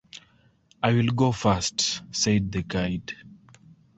“I will go first,” said the guide.